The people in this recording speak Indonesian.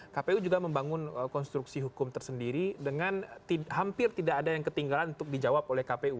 kpu juga membangun konstruksi hukum tersendiri dengan hampir tidak ada yang ketinggalan untuk dijawab oleh kpu